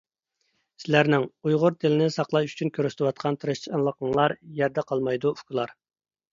سىلەرنىڭ ، ئۇيغۇر تىلىنى ساقلاش ئۇچۈن كۆرسىتۋاتقان تىرىشچانلىقىڭلار يەردە قالمايدۇ، ئۇكىلار…